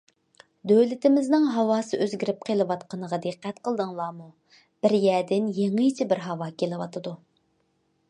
دۆلىتىمىزنىڭ ھاۋاسى ئۆزگىرىپ قېلىۋاتقىنىغا دىققەت قىلدىڭلارمۇ؟ بىر يەردىن يېڭىچە بىر ھاۋا كېلىۋاتىدۇ.